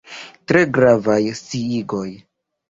Tre gravaj sciigoj.